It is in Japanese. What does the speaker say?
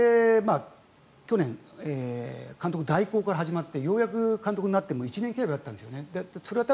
あれだけ去年監督代行から始まってようやく監督になっても１年契約だったんですね。